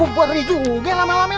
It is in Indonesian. oh gua beri juga lama lamanya lu